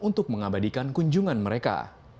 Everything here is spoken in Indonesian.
untuk mengabadikan kunjungan mereka